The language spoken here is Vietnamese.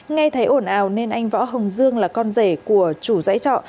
nghe thấy ổn ào nên anh võ hồng dương là con rể của chủ giấy trọ